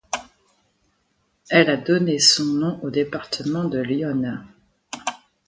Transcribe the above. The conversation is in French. Elle a donné son nom au département de l'Yonne.